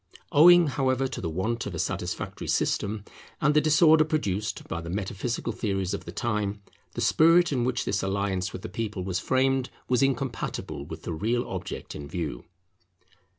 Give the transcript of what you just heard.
Owing, however, to the want of a satisfactory system, and the disorder produced by the metaphysical theories of the time, the spirit in which this alliance with the people was framed was incompatible with the real object in view.